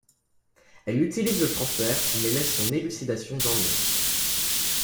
Elle utilise le transfert mais laisse son élucidation dans l'ombre.